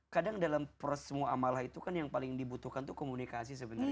kadang dalam proses semua amalah itu kan yang paling dibutuhkan itu komunikasi sebenarnya